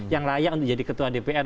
yang layak untuk jadi ketua dpr